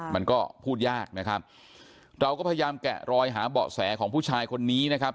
มันก็พูดยากนะครับเราก็พยายามแกะรอยหาเบาะแสของผู้ชายคนนี้นะครับ